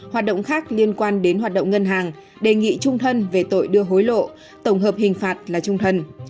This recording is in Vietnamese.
hoạt động khác liên quan đến hoạt động ngân hàng đề nghị trung thân về tội đưa hối lộ tổng hợp hình phạt là trung thân